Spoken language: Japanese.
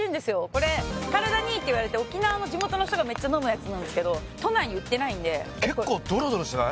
これ体にいいって言われて沖縄の地元の人がメッチャ飲むやつなんですけど都内に売ってないんで結構ドロドロしてない？